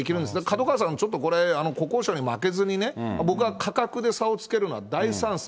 門川さん、ちょっとこれ、国交省に負けずにね、僕は価格で差をつけるのは大賛成。